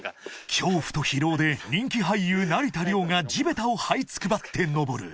［恐怖と疲労で人気俳優成田凌が地べたをはいつくばって登る］